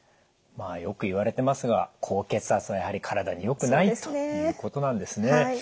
まあよく言われてますが高血圧がやはり体によくないということなんですね。